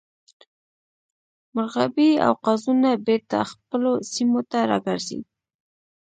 مرغابۍ او قازونه بیرته خپلو سیمو ته راګرځي